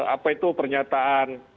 apa itu pernyataan